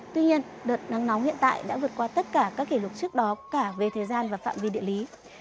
tuy nhiên đợt nắng nóng hiện tại đã vượt qua tất cả các kỷ lục trước đó cả về thời gian và phạm vi địa lý